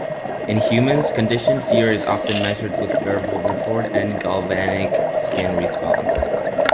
In humans, conditioned fear is often measured with verbal report and galvanic skin response.